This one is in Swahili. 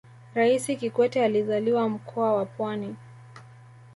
raisi kikwete alizaliwa mkoa wa pwani